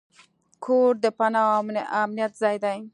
کور د پناه او امنیت ځای دی.